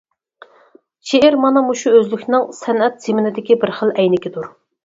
شېئىر مانا مۇشۇ ئۆزلۈكنىڭ سەنئەت زېمىنىدىكى بىر خىل ئەينىكىدۇر.